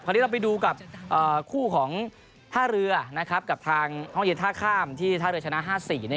วันนี้เราไปดูกับคู่ของท่าเรือกับทางห้องเย็นท่าข้ามที่ท่าเรือชนะ๕๔